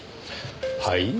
はい？